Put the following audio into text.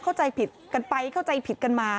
เข้าใจผิดกันไปเข้าใจผิดกันมา